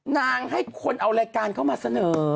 นางให้คนเอารายการเข้ามาเสนอ